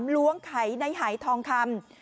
ล้วงไขในหายทองคำ